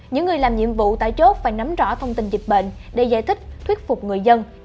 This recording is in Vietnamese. những người làm nhiệm vụ tại chốt phải nắm rõ thông tin dịch bệnh để giải thích thuyết phục người dân